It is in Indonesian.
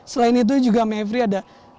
selain itu juga mayfrey ada